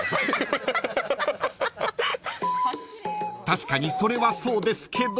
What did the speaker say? ［確かにそれはそうですけど］